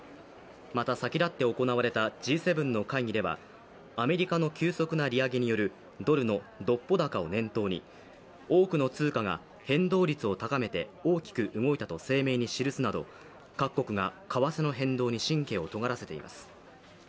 また、先立って行われたＧ７の会議ではアメリカの急速な利上げによるドルの独歩高を念頭に多くの通貨が変動率を高めて大きく動いたと声明に記すなど、各国が為替の変動に神経をとがらせています。